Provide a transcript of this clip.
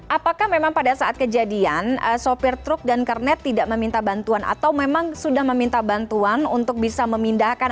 apakah memang pada saat kejadian sopir truk dan kernet tidak meminta bantuan atau memang sudah meminta bantuan untuk bisa memindahkan